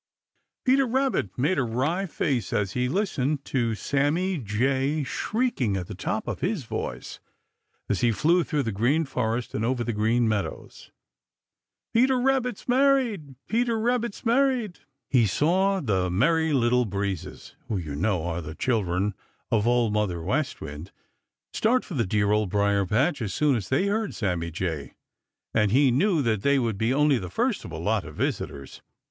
Peter Rabbit made a wry face as he listened to Sammy Jay shrieking at the top of his voice as he flew through the Green Forest and over the Green Meadows," Peter Rabbit's married!" "Peter Rabbit's married!" He saw the Merry Little Breezes who, you know, are the children of Old Mother West Wind, start for the dear Old Briar patch as soon as they heard Sammy Jay, and he knew that they would be only the first of a lot of visitors.